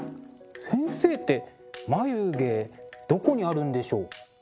先生って眉毛どこにあるんでしょう？